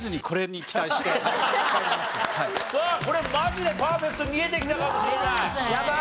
さあこれマジでパーフェクト見えてきたかもしれない。